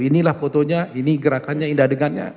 inilah fotonya ini gerakannya indah dengannya